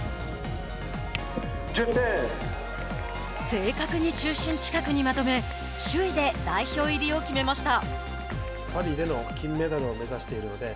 正確に中心近くにまとめ首位で代表入りを決めました。